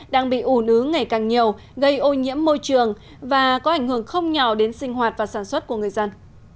đang bị ủ nứ ngày càng nhiều gây ô nhiễm môi trường và có ảnh hưởng không nhỏ đến sinh hoạt và sản xuất của người dân